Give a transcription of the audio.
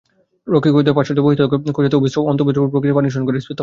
রক্ষীকোষদ্বয় পার্শ্বস্থ বহিঃত্বক কোষ থেকে অন্তঃঅভিস্রবণ প্রক্রিয়ায় পানি শোষণ করে স্ফীত হয়।